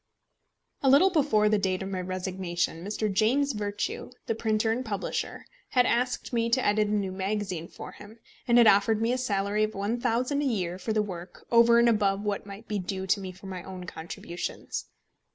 A little before the date of my resignation, Mr. James Virtue, the printer and publisher, had asked me to edit a new magazine for him, and had offered me a salary of £1000 a year for the work, over and above what might be due to me for my own contributions.